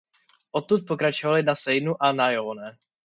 Odtud pokračovali na Seinu a na Yonne.